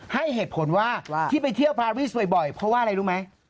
ให้เหตุผลว่าที่ไปเที่ยวฟารีล์อ่าวว่าอะไรรู้มั้ย